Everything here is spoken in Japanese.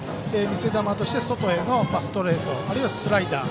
見せ球として外へのストレートあるいはスライダー。